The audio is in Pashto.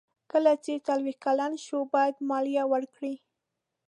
کله چې څلویښت کلن شو باید مالیه ورکړي.